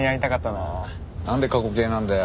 なんで過去形なんだよ？